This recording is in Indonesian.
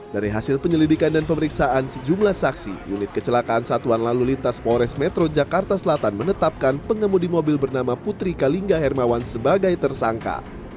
dari hasil penyelidikan dan pemeriksaan sejumlah saksi unit kecelakaan satuan lalu lintas polres metro jakarta selatan menetapkan pengemudi mobil bernama putri kalingga hermawan sebagai tersangka